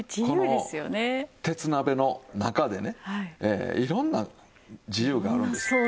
この鉄鍋の中でねいろんな自由があるんです。